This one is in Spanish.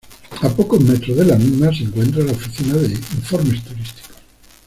A pocos metros de la misma se encuentra la oficina de informes turísticos.